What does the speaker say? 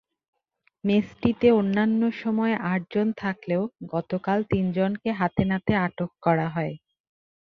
মেসটিতে অন্যান্য সময় আটজন থাকলেও গতকাল তিনজনকে হাতেনাতে আটক করা হয়।